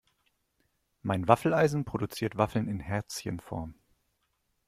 Mein Waffeleisen produziert Waffeln in Herzchenform.